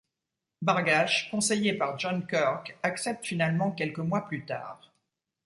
Barghash, conseillé par John Kirk, accepte finalement quelques mois plus tard.